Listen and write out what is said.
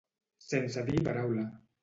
Sense dir paraula.